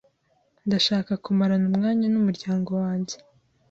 Ndashaka kumarana umwanya n'umuryango wanjye.